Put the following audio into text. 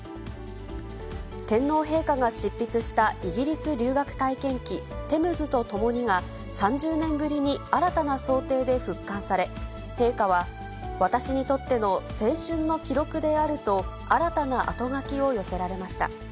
天皇陛下が執筆したイギリス留学体験記、テムズとともにが、３０年ぶりに新たな装丁で復刊され、陛下は私にとっての青春の記録であると、新たなあとがきを寄せられました。